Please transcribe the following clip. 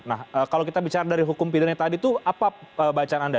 nah kalau kita bicara dari hukum pidana tadi itu apa bacaan anda